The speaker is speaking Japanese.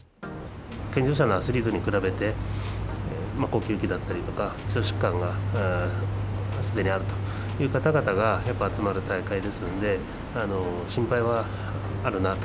健常者のアスリートに比べて、呼吸器だったりとか、基礎疾患がすでにあるという方々が、やっぱり集まる大会ですんで、心配はあるなと。